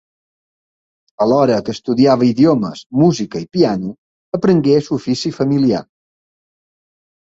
Alhora que estudiava idiomes, música i piano, aprengué l'ofici familiar.